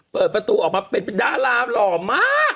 เปิดประตูออกมาเป็นดาราหล่อมาก